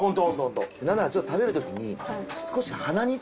なんならちょっと食べる時に。